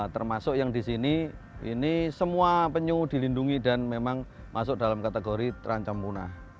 termasuk yang di sini ini semua penyu dilindungi dan memang masuk dalam kategori terancam punah